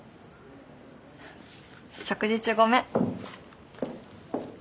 食事中ごめん。